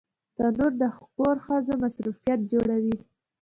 تنور د کور ښځو مصروفیت جوړوي